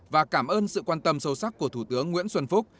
và cảm ơn sự quan tâm sâu sắc của thủ tướng nguyễn xuân phúc